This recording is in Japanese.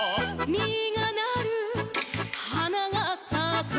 「みがなるはながさく」